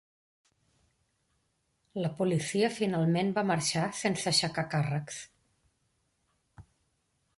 La policia finalment va marxar sense aixecar càrrecs.